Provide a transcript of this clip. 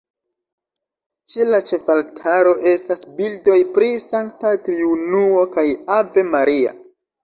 Ĉe la ĉefaltaro estas bildoj pri Sankta Triunuo kaj Ave Maria.